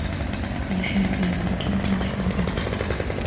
也是旅游宗教胜地。